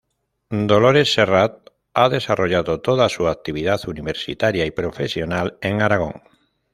Dolores Serrat ha desarrollado toda su actividad universitaria y profesional en Aragón.